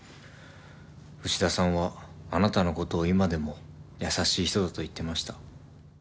牛田さんはあなたのことを今でも優しい人だと言ってました。